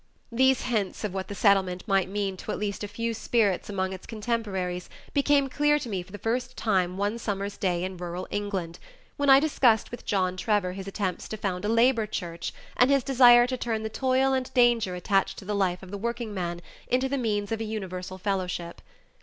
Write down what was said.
These hints of what the Settlement might mean to at least a few spirits among its contemporaries became clear to me for the first time one summer's day in rural England, when I discussed with John Trevor his attempts to found a labor church and his desire to turn the toil and danger attached to the life of the workingman into the means of a universal fellowship.